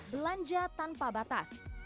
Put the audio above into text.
belanja tanpa batas